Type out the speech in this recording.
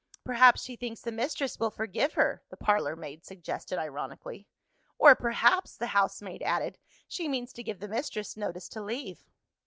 "Perhaps she thinks the mistress will forgive her," the parlour maid suggested ironically. "Or perhaps," the housemaid added, "she means to give the mistress notice to leave."